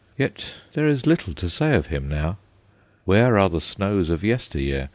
Yet there is little to say of him now. ' Where are the snows of yester year